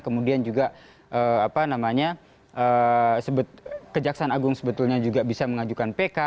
kemudian juga kejaksaan agung sebetulnya juga bisa mengajukan pk